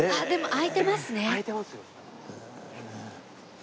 開いてますよ。